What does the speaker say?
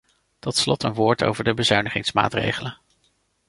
Tot slot een woord over de bezuinigingsmaatregelen.